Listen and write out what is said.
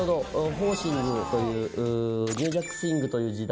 ホーシングというニュージャックスイングという時代